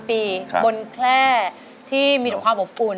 ทั้งในเรื่องของการทำงานเคยทำนานแล้วเกิดปัญหาน้อย